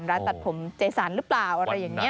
ร้านตัดผมเจสันหรือเปล่าอะไรอย่างนี้